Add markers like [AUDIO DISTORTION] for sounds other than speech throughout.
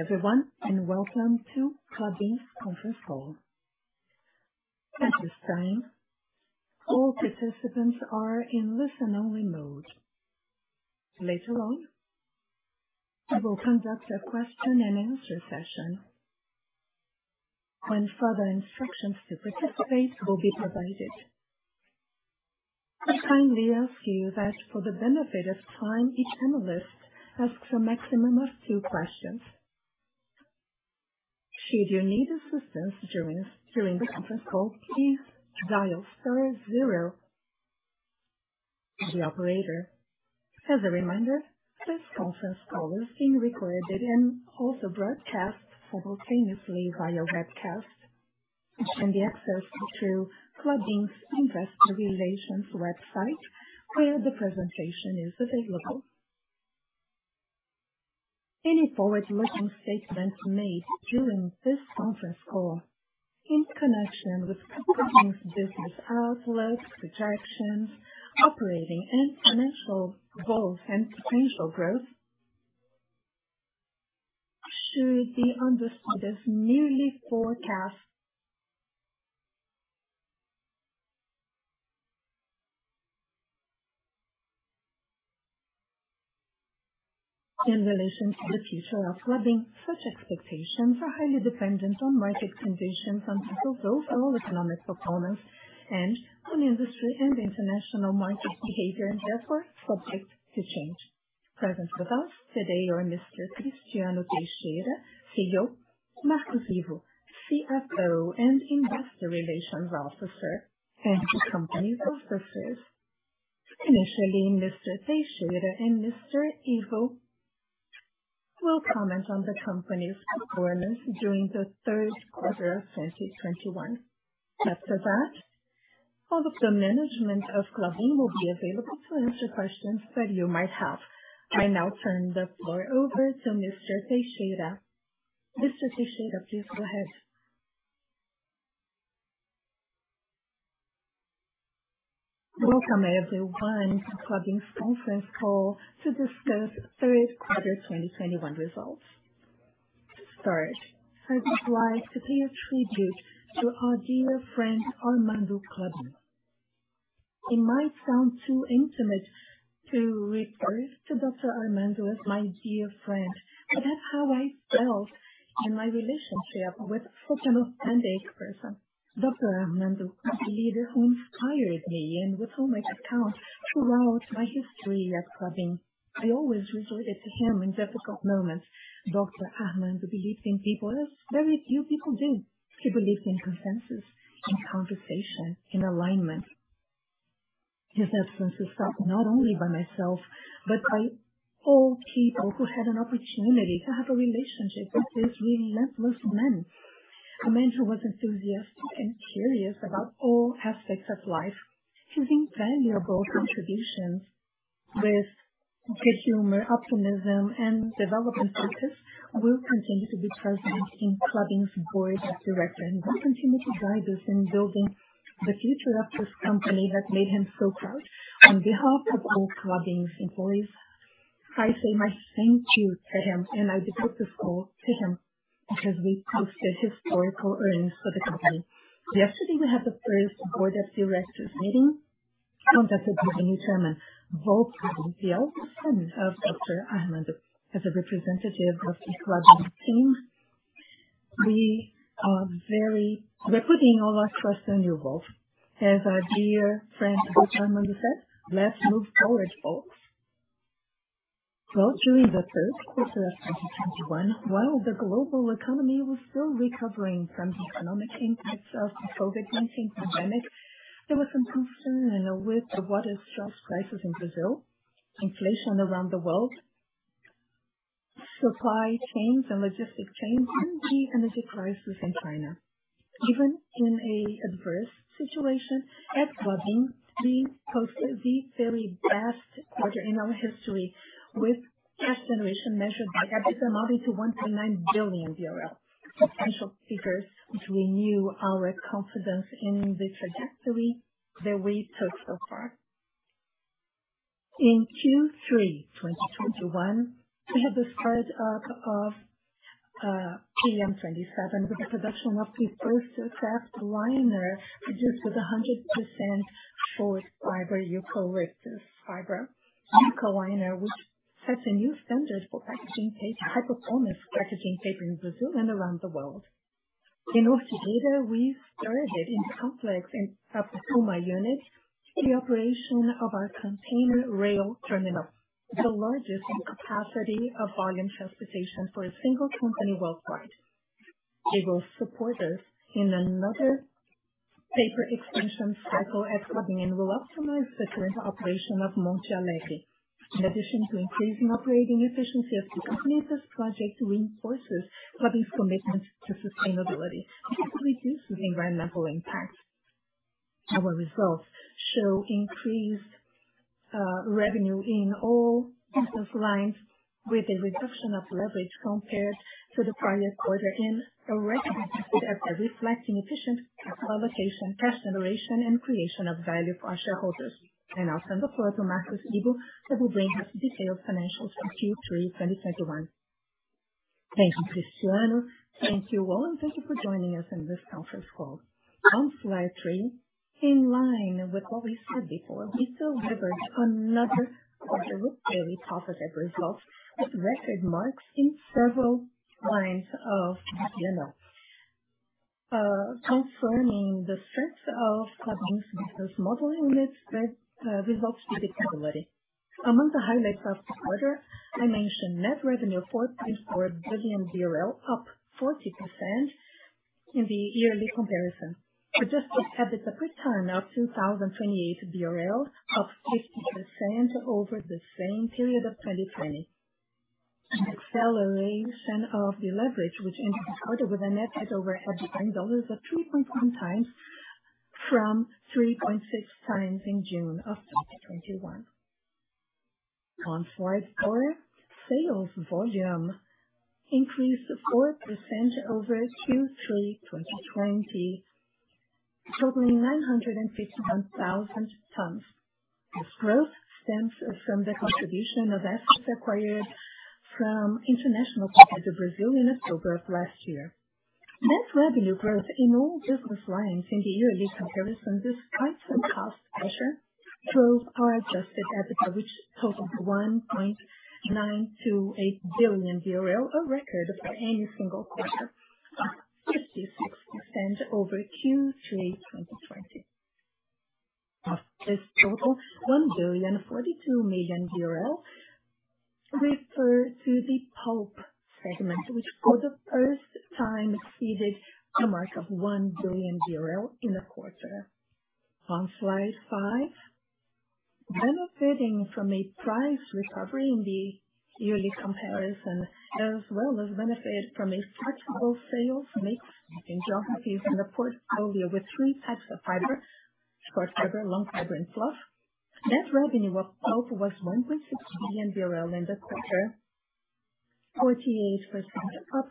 Everyone, and welcome to Klabin's conference call. At this time, all participants are in listen only mode. Later on, we will conduct a question and answer session when further instructions to participate will be provided. We kindly ask you that for the benefit of time, each analyst asks a maximum of two questions. Should you need assistance during the conference call, please dial star zero for the operator. As a reminder, this conference call is being recorded and also broadcast simultaneously via webcast, which can be accessed through Klabin's Investor Relations website, where the presentation is available. Any forward-looking statements made during this conference call in connection with Klabin's business outlook, projections, operating and financial goals, and potential growth should be understood as merely forecasts. In relation to the future of Klabin, such expectations are highly dependent on market conditions and future growth of all economic components and on industry and international market behavior, and therefore subject to change. Present with us today are Mr. Cristiano Teixeira, CEO, Marcos Ivo, CFO and Investor Relations Officer, and the company's officers. Initially, Mr. Teixeira and Mr. Ivo will comment on the company's performance during the third quarter of 2021. After that, all of the management of Klabin will be available to answer questions that you might have. I now turn the floor over to Mr. Teixeira. Mr. Teixeira, please go ahead. Welcome everyone to Klabin's conference call to discuss third quarter 2021 results. To start, I would like to pay a tribute to our dear friend Armando Klabin. It might sound too intimate to refer to Dr Armando as my dear friend, but that's how I felt in my relationship with such an authentic person. Dr. Armando was a leader who inspired me and with whom I could count throughout my history at Klabin. I always resorted to him in difficult moments. Dr. Armando believed in people as very few people do. He believed in consensus, in conversation, in alignment. His absence is felt not only by myself, but by all people who had an opportunity to have a relationship with this really marvelous man. A man who was enthusiastic and curious about all aspects of life. His invaluable contributions with good humor, optimism, and development purpose will continue to be present in Klabin's Board of Directors and will continue to guide us in building the future of this company that made him so proud. On behalf of all Klabin's employees, I say my thank you to him, and I dedicate this call to him because we posted historical earnings for the company. Yesterday we had the first board of directors meeting conducted by the new chairman, Wolff Klabin, the eldest son of Dr. Armando. As a representative of the Klabin team, we're putting all our trust on you, Wolff. As our dear friend Dr. Armando said, "Let's move forward, folks." Well, during the third quarter of 2021, while the global economy was still recovering from the economic impacts of the COVID-19 pandemic, there was some concern with the water shortage crisis in Brazil, inflation around the world, supply chains and logistic chains, and the energy crisis in China. Even in an adverse situation, at Klabin we posted the very best quarter in our history with cash generation measured by EBITDA to BRL 1.9 billion. Exceptional figures which renew our confidence in the trajectory that we took so far. In Q3 2021, we had the start up of PM-27 with the production of the first kraftliner produced with 100% forest fiber, eucalyptus fiber. Eukaliner, which sets a new standard for high-performance packaging paper in Brazil and around the world. In Ortigueira, we started in complex and Puma unit, the operation of our container rail terminal, the largest in capacity of volume transportation for a single company worldwide. It will support us in another paper expansion cycle at Klabin and will optimize the current operation of Monte Alegre. In addition to increasing operating efficiency of the company, this project reinforces Klabin's commitment to sustainability and to reducing environmental impact. Our results show increased revenue in all business lines with a reduction of leverage compared to the prior quarter and a record EBITDA reflecting efficient capital allocation, cash generation, and creation of value for our shareholders. I now turn the floor to Marcos Ivo, who will bring us detailed financials for Q3 2021. Thank you, Cristiano. Thank you all, and thank you for joining us on this conference call. On slide three, in line with what we said before, we still delivered another quarterly positive result with record marks in several lines of the P&L. Confirming the strength of Klabin's business model in its results visibility. Among the highlights of the quarter, I mention net revenue 4.4 billion BRL, up 40% in the yearly comparison. Adjusted EBITDA per ton of 2,028 BRL, up 50% over the same period of 2020. An acceleration of the leverage which ended the quarter with a net debt over EBITDA in dollars of 3.1x from 3.6x in June of 2021. On slide four, sales volume increased 4% over Q3 2020, totaling 951,000 tons. This growth stems from the contribution of assets acquired from International Paper do Brasil in October of last year. Net revenue growth in all business lines in the year-over-year comparison, despite some cost pressure, drove our adjusted EBITDA, which totaled 1.928 billion, a record for any single quarter, up 56% over Q3 2020. Of this total, BRL 1.042 billion refers to the pulp segment, which for the first time exceeded the mark of BRL 1 billion in a quarter. On slide five, benefiting from a price recovery in the year-over-year comparison, as well as benefits from a flexible sales mix in geographies and a portfolio with three types of fiber, short fiber, long fiber, and fluff. Net revenue of pulp was BRL 1.6 billion in the quarter, 48% up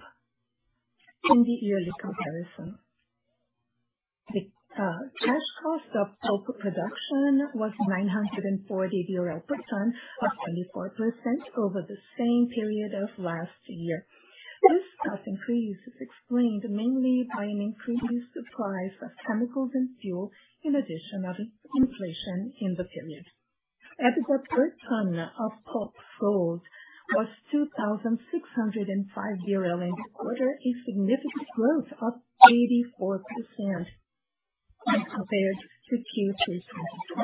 in the year-over-year comparison. The cash cost of pulp production was BRL 940 per ton, up 24% over the same period of last year. This cost increase is explained mainly by an increased price of chemicals and fuel, in addition to inflation in the period. EBITDA per ton of pulp sold was 2,605 in the quarter, a significant growth of 84% compared to Q3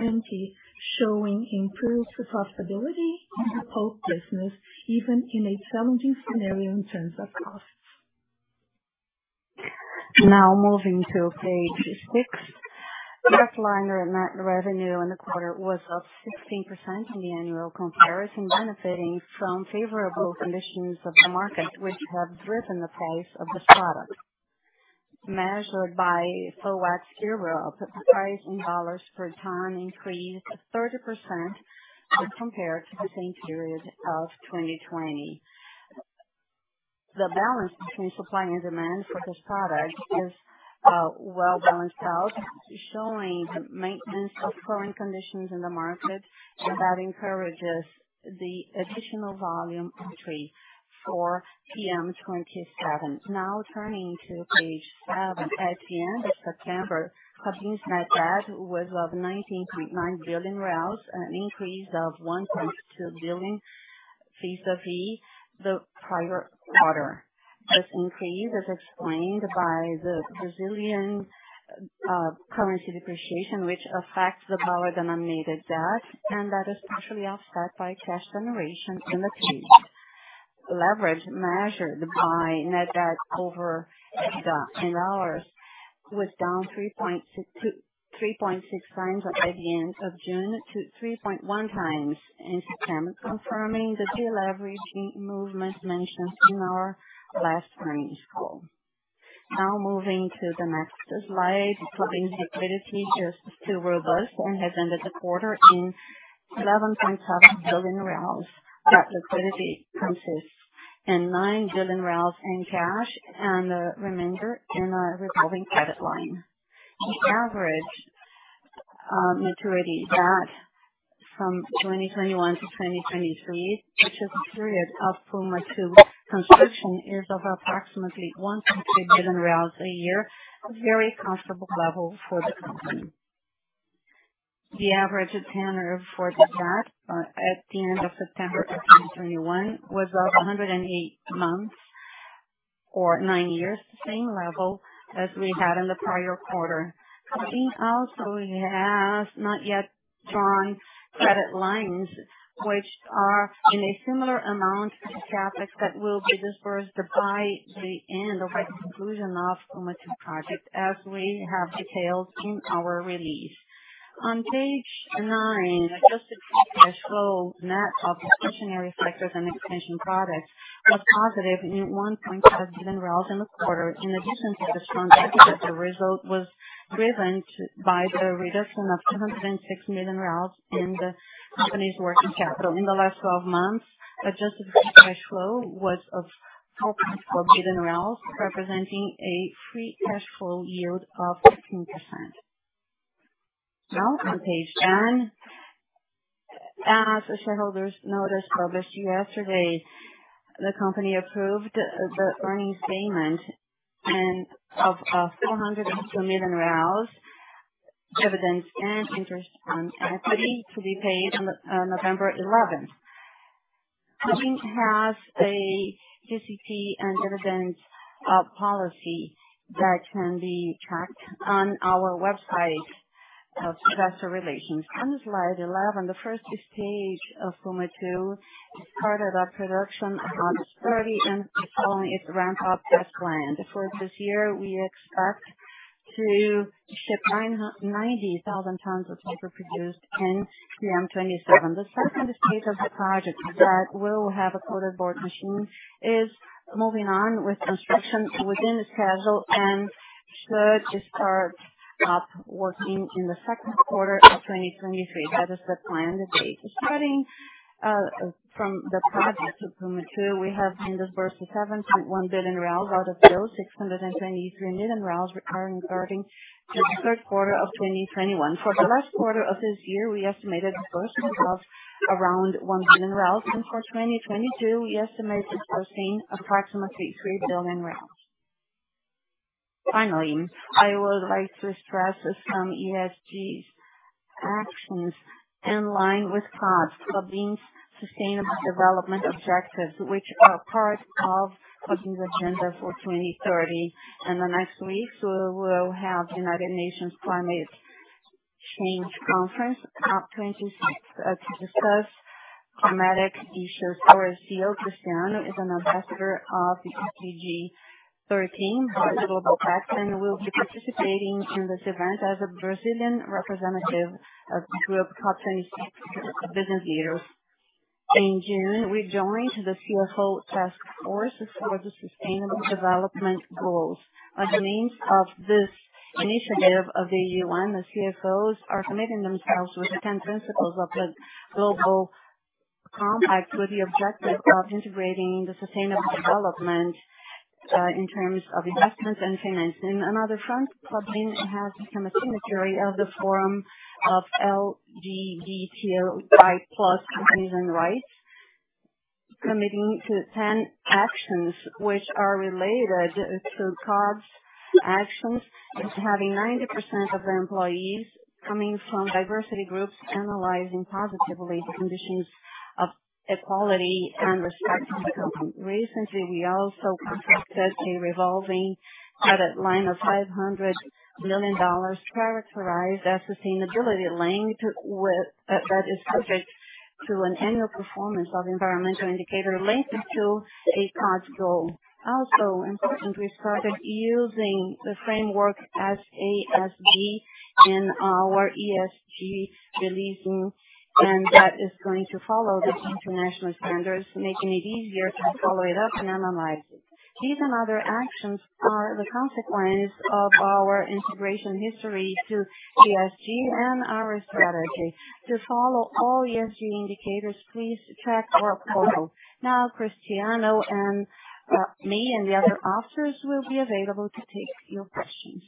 2020, showing improved profitability in the pulp business, even in a challenging scenario in terms of costs. Now moving to page six. Kraftliner net revenue in the quarter was up 16% in the annual comparison, benefiting from favorable conditions of the market, which have driven the price of this product. Measured by FOEX Euro, the price in dollars per ton increased 30% when compared to the same period of 2020. The balance between supply and demand for this product is well balanced out, showing maintenance of current conditions in the market. That encourages the additional volume entry for PM-27. Now turning to page seven. At the end of September, Klabin's net debt was of 19.9 billion, an increase of 1.2 billion vis-à-vis the prior quarter. This increase is explained by the Brazilian currency depreciation, which affects the dollar-denominated debt, and that is partially offset by cash generation in the period. Leverage measured by net debt over EBITDA in dollars was down 3.6 times at the end of June to 3.1 times in September, confirming the deleveraging movement mentioned in our last earnings call. Now moving to the next slide. Klabin's liquidity is still robust and has ended the quarter in 11.5 billion. That liquidity consists of 9 billion in cash and the remainder in a revolving credit line. The average debt maturity from 2021 to 2023, which is the period of Puma II construction, is approximately 1.2 billion a year. A very comfortable level for the company. The average tenor for the debt at the end of September 2021 was 108 months or 9 years, the same level as we had in the prior quarter. Klabin also has not yet drawn credit lines which are in a similar amount to CapEx that will be disbursed by the end or by the conclusion of Puma II project as we have detailed in our release. On page nine, adjusted free cash flow net of discretionary sectors and expansion projects was positive 1.5 billion in the quarter. In addition to the strong EBITDA, the result was driven by the reduction of BRL 206 million in the company's working capital. In the last twelve months, adjusted free cash flow was 4.4 billion, representing a free cash flow yield of 16%. Now on page ten. As the shareholders notice published yesterday, the company approved the earnings payment and of 402 million reais dividends and interest on equity to be paid on November 11th. Klabin has a JCP and dividends policy that can be tracked on our website of investor relations. On slide 11, the first stage of Puma II started up production on August 30 and is following its ramp-up test plan. For this year, we expect to ship 90,000 tons of paper produced in PM-27. The second stage of the project that will have a coated board machine is moving on with construction within the schedule and should start up working in the second quarter of 2023. That is the plan to date. Starting from the project of Puma II, we have invested 7.1 billion reais out of those 623 million reals recurring starting the third quarter of 2021. For the last quarter of this year, we estimated investments of around 1 billion, and for 2022, we estimate investing approximately 3 billion. Finally, I would like to stress some ESG actions in line with Klabin's sustainable development objectives, which are part of Klabin's agenda for 2030. Next week, we will have United Nations Climate Change Conference, COP26, to discuss climatic issues. Our CEO, Cristiano Teixeira, is an ambassador of the SDG 13, the Global Compact, and will be participating in this event as a Brazilian representative of the group COP26 business leaders. In June, we joined the CFO Task Force for the Sustainable Development Goals. By means of this initiative of the UN, the CFOs are committing themselves to the ten principles of the Global Compact, with the objective of integrating the sustainable development in terms of investments and financing. Another front, Klabin has become a signatory of the Fórum de Empresas e Direitos LGBTI+, committing to 10 actions which are related to Klabin's actions, and to having 90% of their employees coming from diversity groups, analyzing positively the conditions of equality and respect in the company. Recently, we also contracted a revolving credit line of $500 million characterized as sustainability-linked with, that is subject to an annual performance of environmental indicator related to a cost goal. Also important, we started using the SASB framework in our ESG reporting, and that is going to follow the international standards, making it easier to follow it up and analyze it. These and other actions are the consequence of our integration history to ESG and our strategy. To follow all ESG indicators, please check our portal. Now, Cristiano and me and the other officers will be available to take your questions.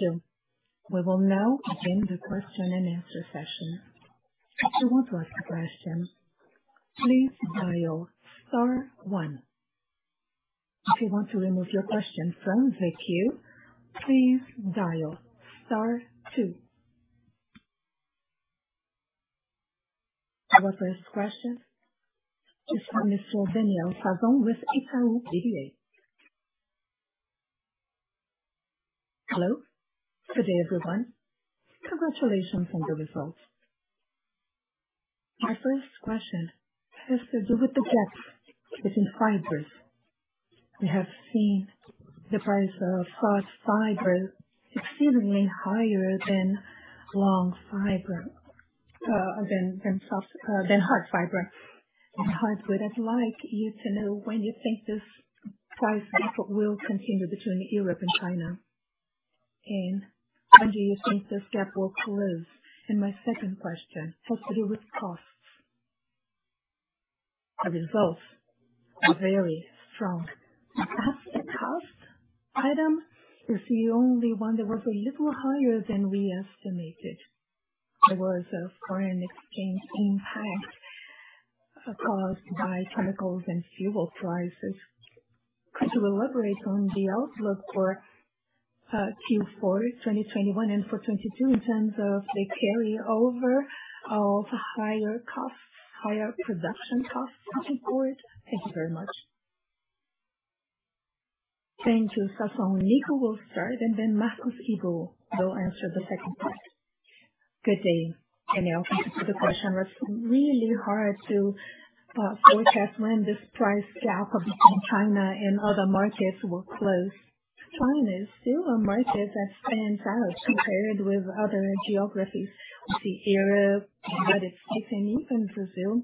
Our first question is from Daniel Sasson with Itaú BBA. Hello. Good day, everyone. Congratulations on the results. My first question has to do with the gaps between fibers. We have seen the price of soft fiber exceedingly higher than long fiber, than hard fiber. I would like to know when you think this price gap will continue between Europe and China, and when do you think this gap will close? My second question has to do with costs. The results are very strong. In fact, the cost item is the only one that was a little higher than we estimated. There was a foreign exchange impact caused by chemicals and fuel prices. Could you elaborate on the outlook for Q4 2021 and for 2022 in terms of the carryover of higher costs, higher production costs going forward? Thank you very much. Thank you, Daniel. Nico will start, and then Marcos Ivo will answer the second part. Good day, Daniel. Thank you for the question. It's really hard to forecast when this price gap between China and other markets will close. China is still a market that stands out compared with other geographies with Europe, the U.S. and even Brazil,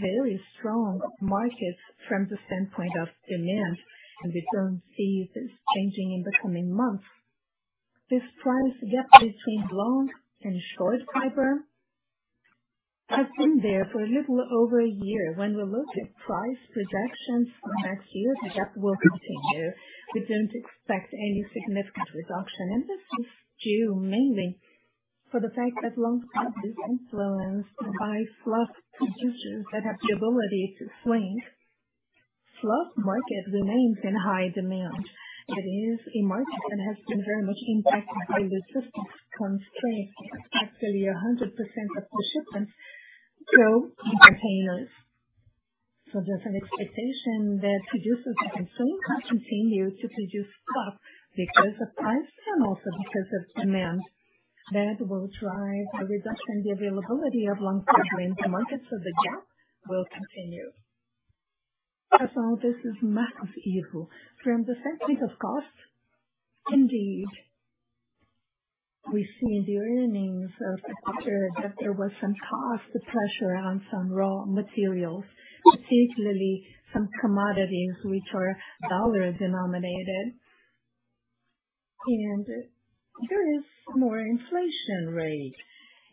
very strong markets from the standpoint of demand, and we don't see this changing in the coming months. This price gap between long and short fiber. Has been there for a little over a year. When we look at price projections for next year, that will continue. We don't expect any significant reduction. This is due mainly for the fact that long fiber is influenced by fluff producers that have the ability to swing. Fluff market remains in high demand. It is a market that has been very much impacted by logistics constraints. Actually, 100% of the shipments go in containers. So there's an expectation that producers can soon continue to produce fluff because of price and also because of demand. That will drive a reduction in the availability of long fiber in the market, so the gap will continue. As all this is massive issue. From the standpoint of cost, indeed, we see in the earnings of the quarter that there was some cost pressure on some raw materials, particularly some commodities which are dollar-denominated. There is more inflation rate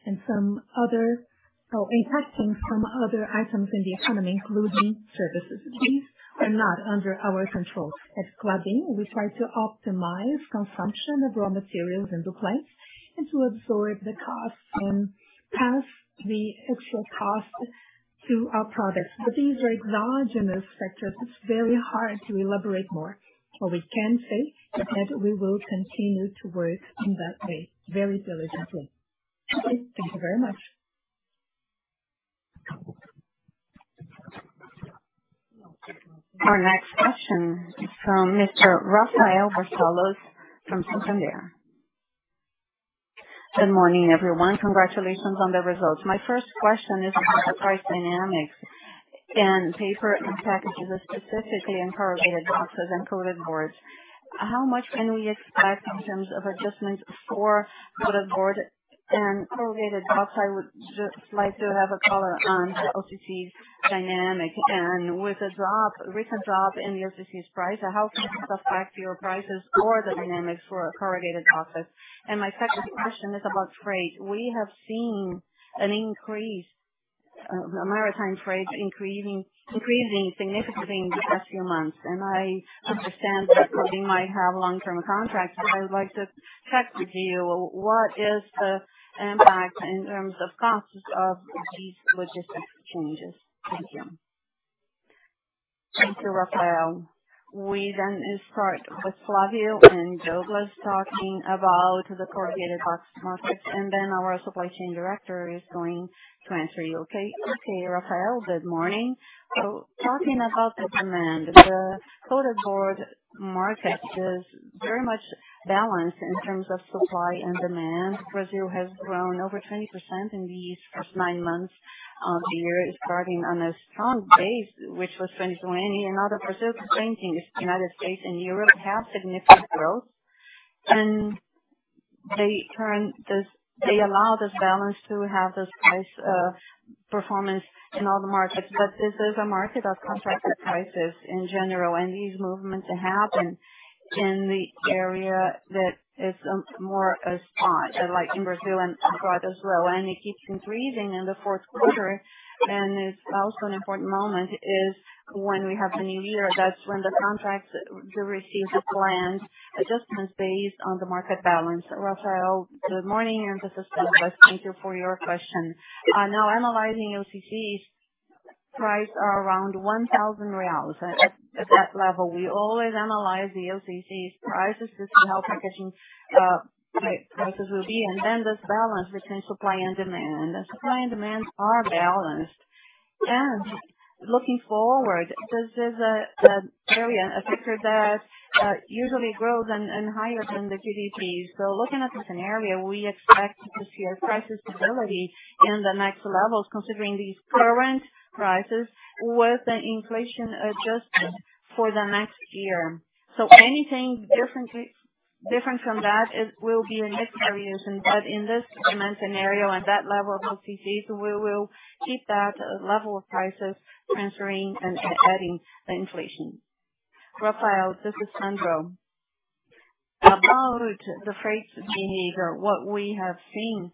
and some other impacting some other items in the economy, including services. These are not under our control. At Klabin, we try to optimize consumption of raw materials and inputs and to absorb the costs and pass the extra cost to our products. These are exogenous factors. It's very hard to elaborate more. What we can say is that we will continue to work in that way very diligently. Okay. Thank you very much. Our next question is from Mr. Rafael Barcellos from Santander. Good morning, everyone. Congratulations on the results. My first question is about the price dynamics in paper and packages, specifically in corrugated boxes and coated boards. How much can we expect in terms of adjustments for coated board and corrugated boxes? I would just like to have a color on the OCC dynamic. With the drop, recent drop in the OCC price, how can you affect your prices or the dynamics for corrugated boxes? My second question is about freight. We have seen an increase, maritime freight increasing significantly in the past few months. I understand that Klabin might have long-term contracts, but I would like to check with you, what is the impact in terms of costs of these logistics changes? Thank you. Thank you, Rafael. We start with Flavio and Douglas talking about the corrugated box market, and then our supply chain director is going to answer you. Okay. Okay, Rafael, good morning. Talking about the demand, the coated board market is very much balanced in terms of supply and demand. Brazil has grown over 20% in these first nine months of the year. It's starting on a strong base, which was 29%. In other markets, Brazil, the United States and Europe have significant growth. They allow this balance to have this price performance in all the markets. This is a market of contracted prices in general, and these movements happen in the area that is more spot, like in Brazil and abroad as well. It keeps increasing in the fourth quarter. It's also an important moment, which is when we have the new year. That's when the contracts do receive the planned adjustments based on the market balance. Rafael, good morning. This is Douglas. Thank you for your question. Now analyzing OCCs prices are around 1,000 reais. At that level, we always analyze the OCC's prices as to how packaging prices will be, and then this balance between supply and demand. The supply and demands are balanced. Looking forward, this is an area, a sector that usually grows and higher than the GDP. Looking at the scenario, we expect to see a price stability in the next levels considering these current prices with an inflation adjustment for the next year. Anything different from that, it will be a next variation, but in this demand scenario and that level of OCC, we will keep that level of prices transferring and adding the inflation. Rafael, this is Sandro. About the freight behavior, what we have seen,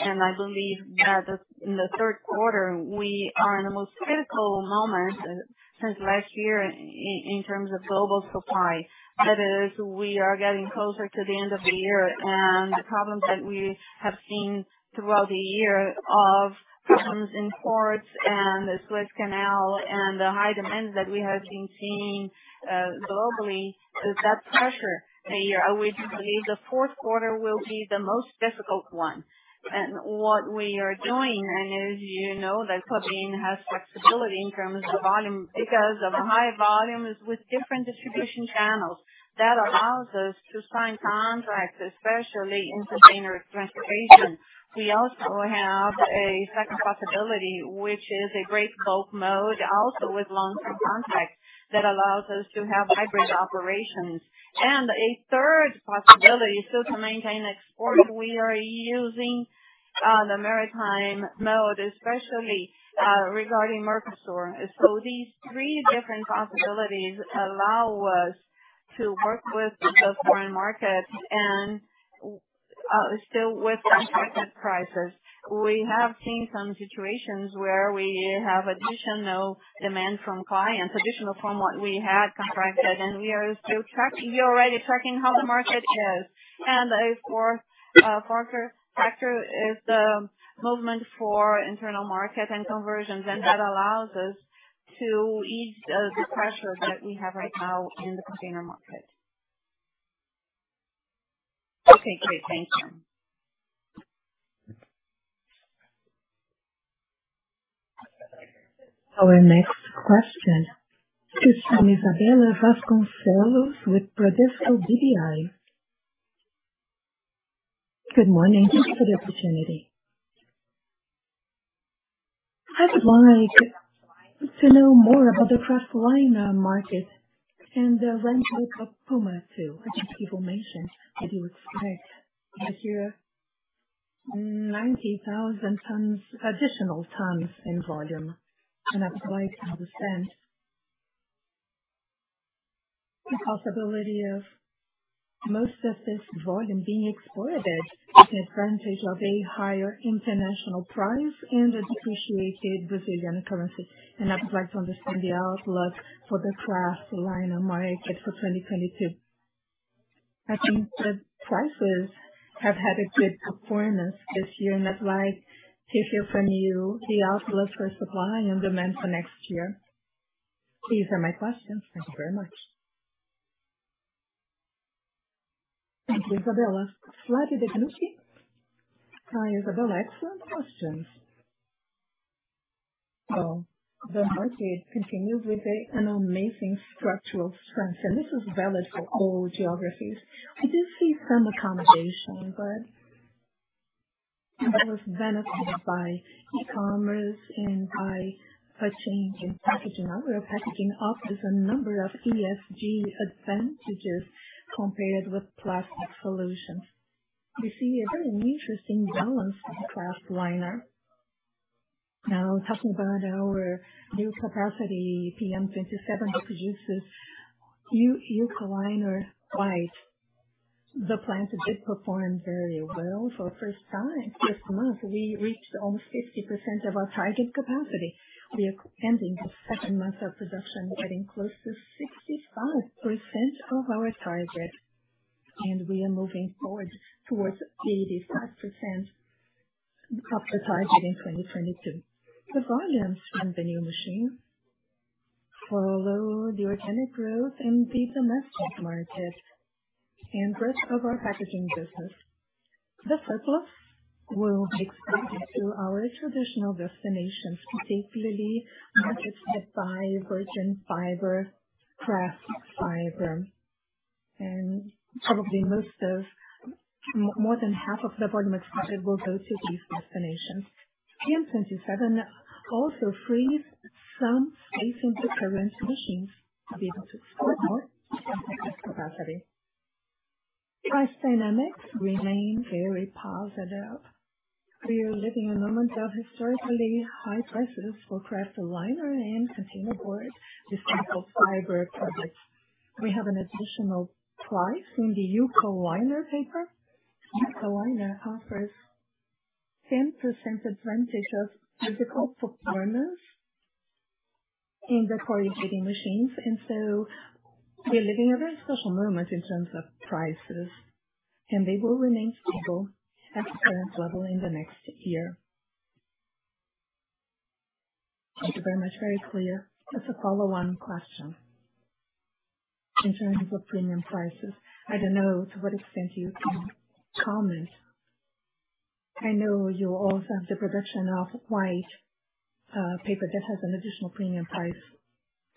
and I believe that in the third quarter, we are in the most critical moment since last year in terms of global supply. That is, we are getting closer to the end of the year, and the problems that we have seen throughout the year of problems in ports and the Suez Canal and the high demand that we have been seeing globally is that pressure all year. I would believe the fourth quarter will be the most difficult one. What we are doing, and as you know that Klabin has flexibility in terms of volume because of high volumes with different distribution channels. That allows us to sign contracts, especially in container transportation. We also have a second possibility, which is a breakbulk mode, also with long-term contracts, that allows us to have hybrid operations. A third possibility, so to maintain export, we are using the maritime mode, especially regarding Mercosur. These three different possibilities allow us to work with the foreign markets and still with contracted prices. We have seen some situations where we have additional demand from clients, additional from what we had contracted, and we are already tracking how the market is. A fourth factor is the movement for internal market and conversions, and that allows us to ease the pressure that we have right now in the container market. Okay, great. Thank you. Our next question is from Isabella Vasconcelos with Bradesco BBI. Good morning. Thanks for the opportunity. I would like to know more about the kraftliner market and the rental performance too, which you people mentioned that you expect this year. 90,000 tons, additional tons in volume, and I would like to understand the possibility of most of this volume being exported, taking advantage of a higher international price and a depreciated Brazilian currency. I would like to understand the outlook for the kraftliner market for 2022. I think the prices have had a good performance this year, and I'd like to hear from you the outlook for supply and demand for next year. These are my questions. Thank you very much. Thank you, Isabella. Flavio Deganutti Hi, Isabella. Excellent questions. The market continues with an amazing structural strength, and this is valid for all geographies. We do see some accommodation, but that was benefited by e-commerce and by a change in packaging. Our packaging offers a number of ESG advantages compared with plastic solutions. We see a very interesting balance in Kraftliner. Now, talking about our new capacity, PM-27 produces Eukaliner white. The plant did perform very well for the first time. This month, we reached almost 50% of our target capacity. We are ending the second month of production getting close to 65% of our target, and we are moving forward towards 85% of the target in 2022. The volumes from the new machine follow the organic growth in the domestic market and growth of our packaging business. The surplus will be exported to our traditional destinations, basically markets that buy virgin fiber, kraft fiber. Probably more than half of the volume expanded will go to these destinations. PM-27 also frees some space in the current machines to be able to export more and increase capacity. Price dynamics remain very positive. We are living a moment of historically high prices for Kraftliner and containerboard, recycled fiber products. We have an additional price in the Eukaliner paper. Eukaliner offers 10% advantage of physical performance in the corrugating machines. We're living a very special moment in terms of prices, and they will remain stable at this level in the next year. Thank you very much. Very clear. Just a follow-on question. In terms of premium prices, I don't know to what extent you can comment. I know you also have the production of white paper that has an additional premium price.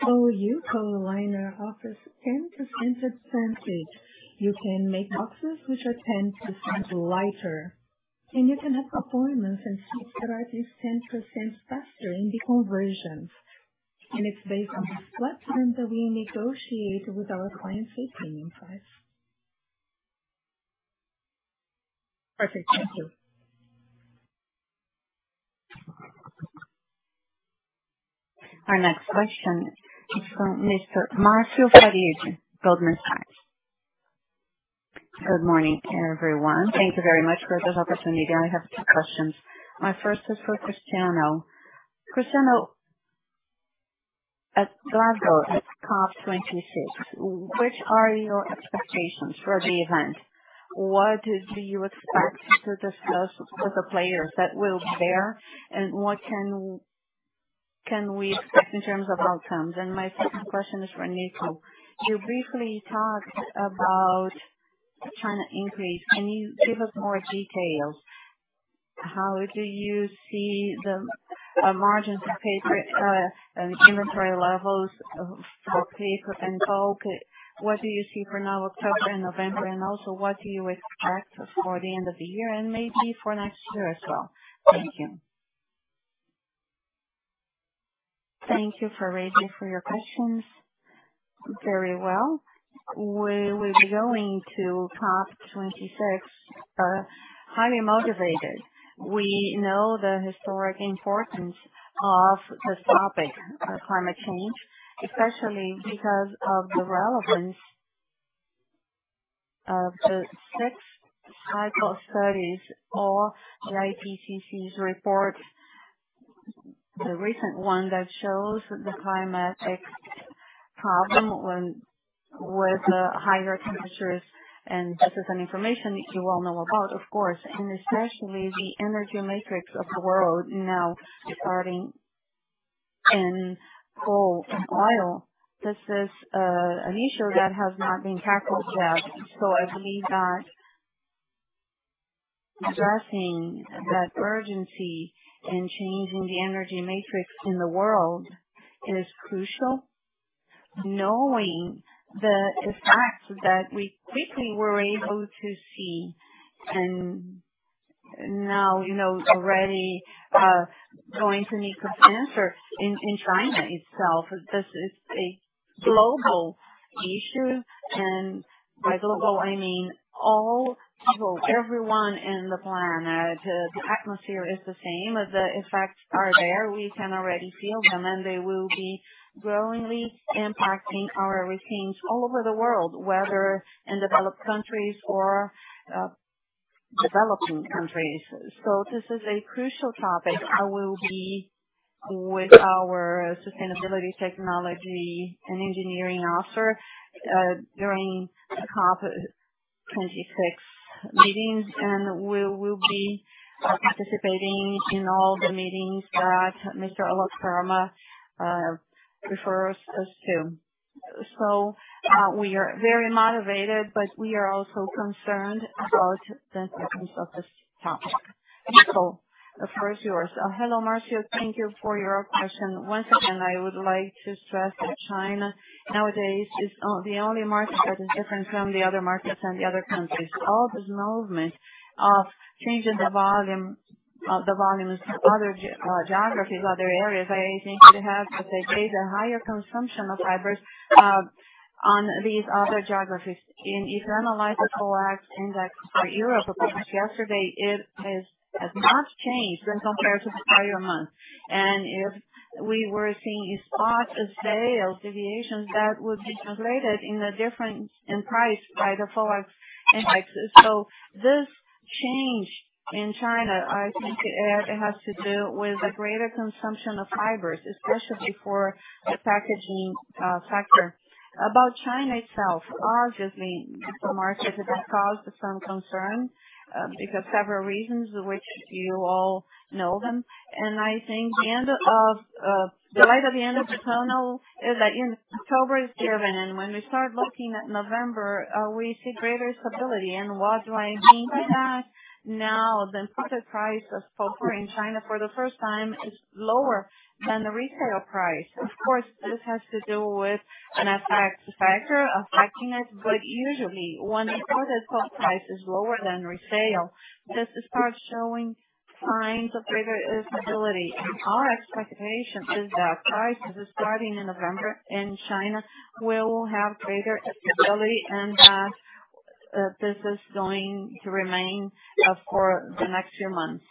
Well, Eukaliner offers 10% advantage. You can make boxes which are 10% lighter, and you can have performance and speed that are at least 10% faster in the conversions. It's based on this platform that we negotiate with our clients a premium price. Perfect. Thank you. Our next question is from Mr. Marcio Farid, Goldman Sachs. Good morning, everyone. Thank you very much for this opportunity. I have two questions. My first is for Cristiano. Cristiano, at Glasgow, at COP26, which are your expectations for the event? What do you expect to discuss with the players that will be there, and what can we expect in terms of outcomes? My second question is for Nico. You briefly talked about trying to increase. Can you give us more details? How do you see the margins of paper and inventory levels for paper and bulk? What do you see for now, October and November, and also what do you expect for the end of the year and maybe for next year as well? Thank you. Thank you for your questions. Very well. We're going to COP 26, highly motivated. We know the historic importance of this topic, of climate change, especially because of the relevance of the six [AUDIO DISTORTION] studies or the IPCC's report. The recent one that shows the climatic problem with the higher temperatures, and this is an information you all know about, of course. Especially the energy matrix of the world now regarding in coal and oil. This is an issue that has not been tackled yet. I believe that addressing that urgency and changing the energy matrix in the world is crucial. Knowing the effects that we quickly were able to see and now, already, going to need to answer in China itself. This is a global issue, and by global I mean all people, everyone in the planet. The atmosphere is the same. The effects are there. We can already feel them, and they will be growingly impacting our routines all over the world, whether in developed countries or developing countries. This is a crucial topic. I will be with our sustainability technology and engineering officer during the COP26 meetings, and we will be participating in all the meetings that Mr. Alok Sharma refers us to. We are very motivated, but we are also concerned about the importance of this topic. Nico, the floor is yours. Hello, Marcio. Thank you for your question. Once again, I would like to stress that China nowadays is the only market that is different from the other markets and the other countries. All this movement of changing the volume, the volumes to other geographies, other areas, I think it has to take a higher consumption of fibers, on these other geographies. In the all-fiber FOEX index for Europe, as of yesterday, it has not changed when compared to the prior month. If we were seeing spot sales deviations, that would be translated in a difference in price by the FOEX indexes. This change in China, I think it has to do with a greater consumption of fibers, especially for the packaging sector. About China itself, obviously the market has caused some concern, because several reasons which you all know them. I think the end of the light at the end of the tunnel is that in October is given, and when we start looking at November, we see greater stability. What do I mean by that? Now the purchase price of pulp wood in China for the first time is lower than the retail price. Of course, this has to do with an affecting factor, but usually when the purchase pulp price is lower than resale, this is part of showing signs of greater stability. Our expectation is that prices starting in November in China will have greater stability and that this is going to remain for the next few months.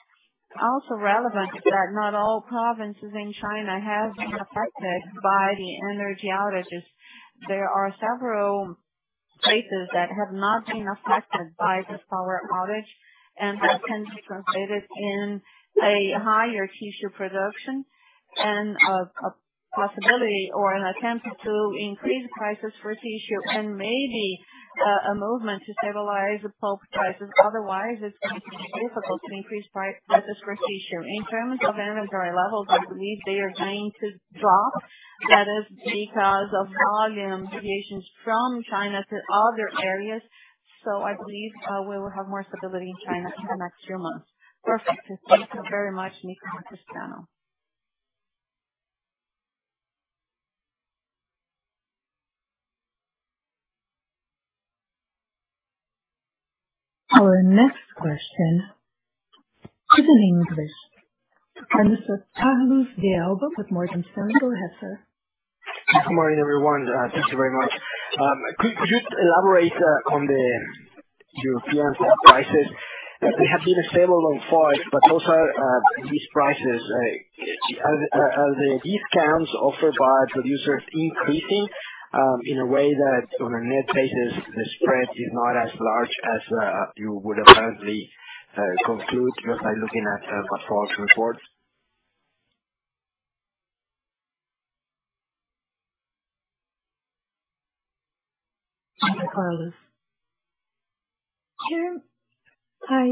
Also relevant that not all provinces in China have been affected by the energy outages. There are several places that have not been affected by this power outage, and that can be translated in a higher tissue production and a possibility or an attempt to increase prices for tissue and maybe a movement to stabilize the pulp prices. Otherwise, it's going to be difficult to increase prices for tissue. In terms of inventory levels, I believe they are going to drop. That is because of volume deviations from China to other areas. I believe we will have more stability in China in the next few months. Perfect. Thank you very much, Nico. [AUDIO DISTORTION] Our next question is in English. Carlos de Alba with Morgan Stanley. Go ahead, sir. Good morning, everyone. Thank you very much. Could you elaborate on the European sales prices? They have been stable on FOEX, but also, these prices, are the discounts offered by producers increasing in a way that on a net basis, the spread is not as large as you would apparently conclude just by looking at the FOEX report? Carlos. Sure. I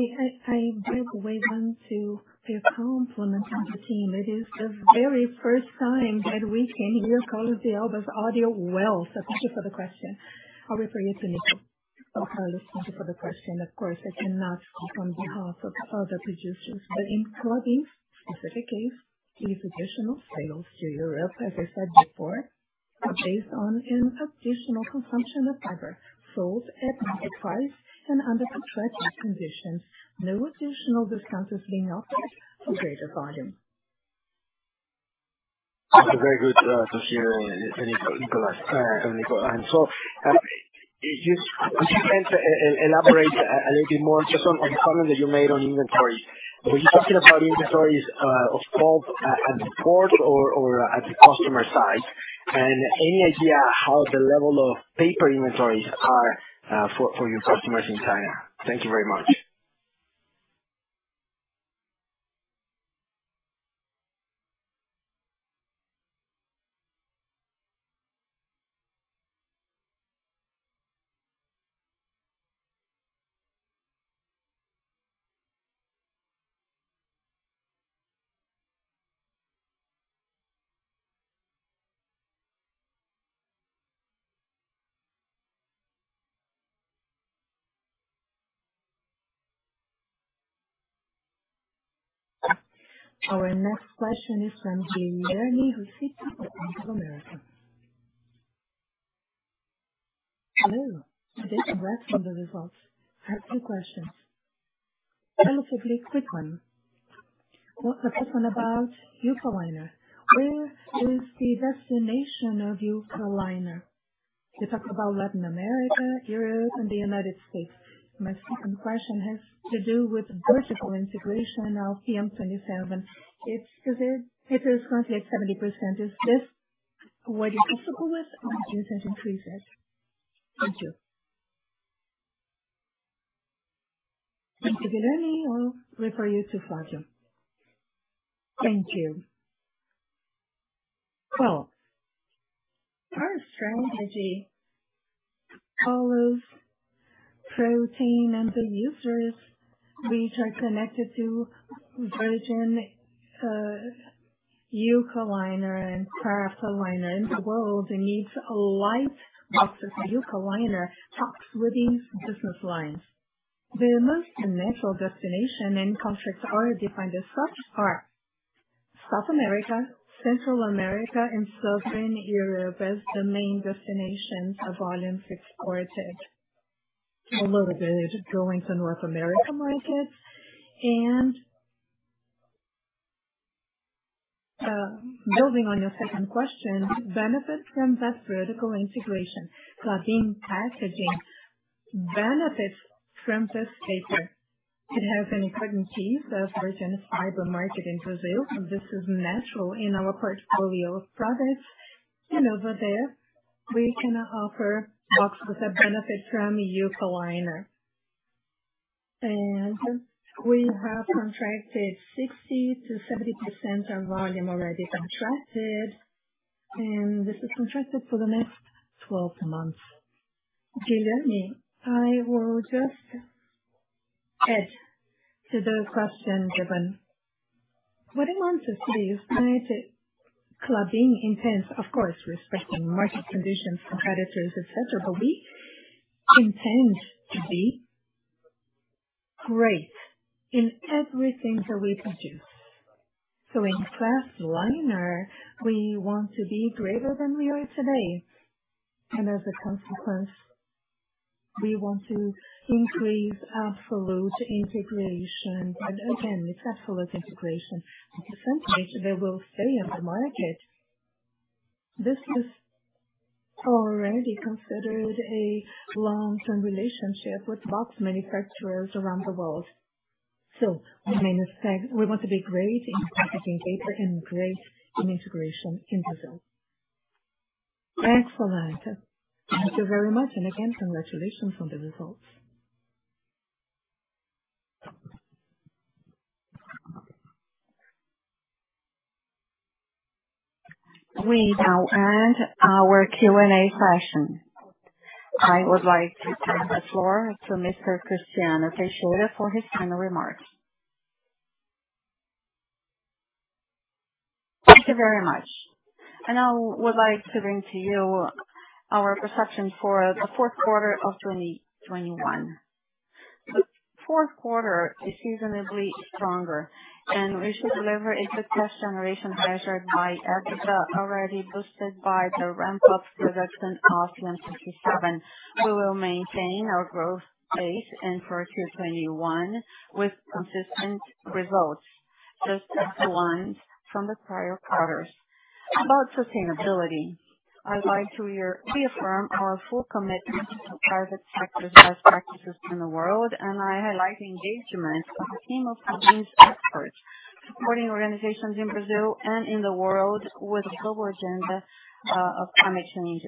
do want to give compliment to the team. It is the very first time that we can hear Carlos de Alba's audio well. Thank you for the question. I'll refer you to Nico. Carlos, thank you for the question. Of course, I cannot speak on behalf of other producers. In Klabin's specific case, these additional sales to Europe, as I said before, are based on an additional consumption of fiber sold at market price and under contracted conditions. No additional discounts being offered for greater volume. That was very good to hear, Nico. You could please elaborate a little bit more just on a comment that you made on inventory. Were you talking about inventories of pulp at the port or at the customer side? Any idea how the level of paper inventories are for your customers in China? Thank you very much. Our next question is from Guilherme Rosito of Bank of America. Hello. Congratulations on the results. I have two questions. One quick one about Eukaliner. Where is the destination of Eukaliner? You talk about Latin America, Europe and the United States. My second question has to do with vertical integration of PM-27. It is currently at 70%. Is this what you're comfortable with or do you intend to increase it? Thank you. Thank you, Guilherme. I'll refer you to Flavio. Thank you. Well, our strategy follows Puma and the units which are connected to virgin Eukaliner and Kraftliner in the world and needs a light box of Eukaliners with these business lines. The most natural destination and contracts already defined as such are South America, Central America and Southern Europe as the main destinations of volume exported. A little bit is going to North America markets. Building on your second question, benefit from that vertical integration, Klabin Packaging benefits from this paper. It has an important piece of virgin fiber market in Brazil. This is natural in our portfolio of products. Over there, we can offer box with a benefit from Eukaliner. We have contracted 60%-70% of volume already contracted, and this is contracted for the next 12 months. Guilherme, I will just add to the question given. What we want to see is Klabin intends, of course, respecting market conditions, competitors, et cetera. We intend to be great in everything that we produce. In Kraftliner, we want to be greater than we are today. As a consequence, we want to increase our full integration. Again, with that full integration, the percentage that will stay in the market. This is already considered a long-term relationship with box manufacturers around the world. In any spec, we want to be great in packaging paper and great in integration in Brazil. Thanks a lot. Thank you very much. Again, congratulations on the results. We now end our Q&A session. I would like to turn the floor to Mr. Cristiano Teixeira for his final remarks. Thank you very much. I would like to bring to you our perspective for the fourth quarter of 2021. The fourth quarter is seasonally stronger, and we should deliver a good cash generation measured by EBITDA, already boosted by the ramp-up production of PM-27. We will maintain our growth pace and for 2021 with consistent results, just as the ones from the prior quarters. About sustainability, I'd like to reaffirm our full commitment to private sector's best practices in the world, and I highlight the engagement of a team of Klabin's experts supporting organizations in Brazil and in the world with a global agenda of climate change.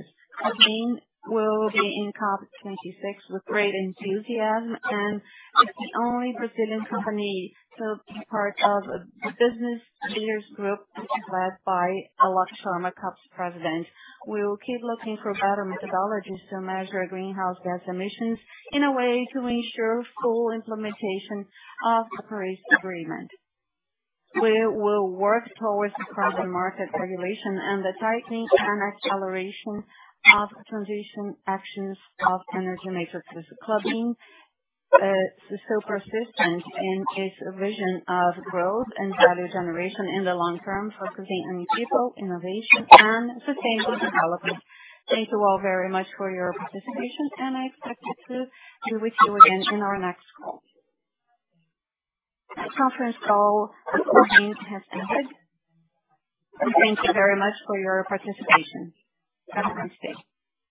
Klabin will be in COP 26 with great enthusiasm, and it's the only Brazilian company to be part of the Business Leaders Group, which is led by Alok Sharma, COP 26's president. We will keep looking for better methodologies to measure greenhouse gas emissions in a way to ensure full implementation of the Paris Agreement. We will work towards the carbon market regulation and the tightening and acceleration of transition actions of energy matrices. Klabin so persistent in its vision of growth and value generation in the long term, focusing on people, innovation and sustainable development. Thank you all very much for your participation, and I expect to be with you again in our next call. Conference call with Klabin has ended. Thank you very much for your participation. Have a great day.